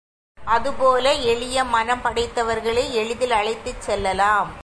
அதுபோல எளிய மனம் படைத்தவர்களை எளிதில் அழைத்துச் செல்லலாம்.